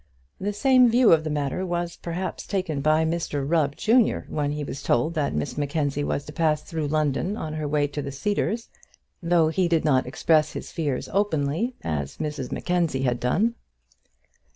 The same view of the matter was perhaps taken by Mr Rubb, junior, when he was told that Miss Mackenzie was to pass through London on her way to the Cedars, though he did not express his fears openly, as Mrs Mackenzie had done.